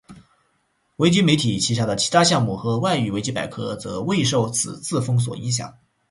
维基媒体旗下的其他项目和外语维基百科则未受此次封锁影响。